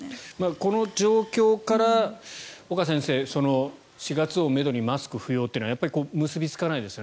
この状況から岡先生４月をめどにマスク不要というのはやっぱり結びつかないですよね。